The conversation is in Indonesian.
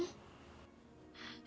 tapi dia terus saja bantuin aku